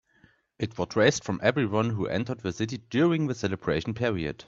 It was raised from everyone who entered the city during the celebration period.